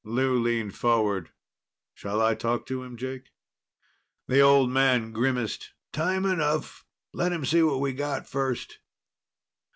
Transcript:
Lou leaned forward. "Shall I talk to him, Jake?" The old man grimaced. "Time enough. Let him see what we got first."